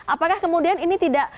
apakah kemudian ini tidak